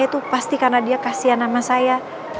itu pasti karena dia kasian sama saya